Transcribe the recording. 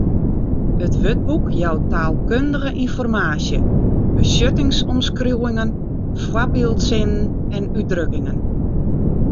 It wurdboek jout taalkundige ynformaasje, betsjuttingsomskriuwingen, foarbyldsinnen en útdrukkingen.